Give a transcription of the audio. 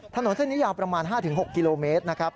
ถนนเส้นนี้ยาวประมาณ๕๖กิโลเมตรนะครับ